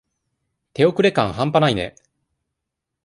手遅れ感はんぱないね。